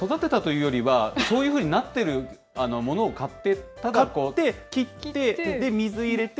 あれ、育てたというよりは、そういうふうになってるものを買って。